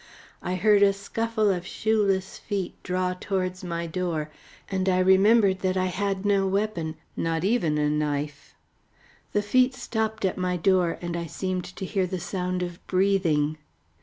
I heard a scuffle of shoeless feet draw towards my door, and I remembered that I had no weapon not even a knife. The feet stopped at my door, and I seemed to hear the sound of breathing.